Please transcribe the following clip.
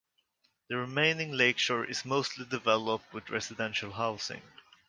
The remaining lakeshore is mostly developed with residential housing.